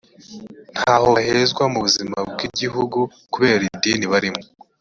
ntaho bahezwa mu buzima bw igihugu kubera idini barimo